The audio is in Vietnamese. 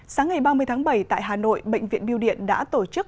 sáng ngày ba mươi tháng bảy tại hà nội bệnh viện biêu điện đã tổ chức